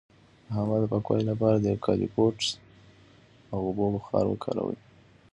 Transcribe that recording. د هوا د پاکوالي لپاره د یوکالیپټوس او اوبو بخار وکاروئ